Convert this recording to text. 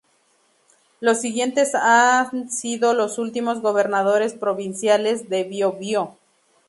Los siguientes han sido los últimos gobernadores provinciales de Biobío.